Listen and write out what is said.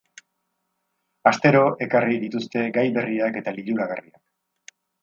Astero ekarri dituzte gai berriak eta liluragarriak.